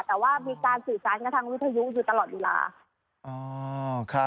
แต่ว่ามีการสื่อสารกระทั่งวุฒิยุคือตลอดเวลา